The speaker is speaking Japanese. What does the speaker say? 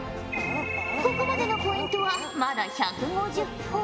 ここまでのポイントはまだ１５０ほぉ。